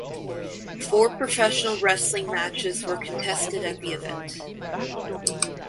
Four professional wrestling matches were contested at the event.